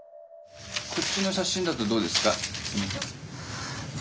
こっちの写真だとどうですか？